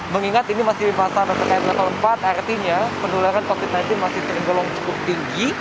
mengingat ini masih di masa mata kaya dua ribu empat artinya pendularan covid sembilan belas masih sering golong cukup tinggi